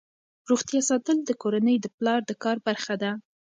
روغتیا ساتل د کورنۍ د پلار د کار برخه ده.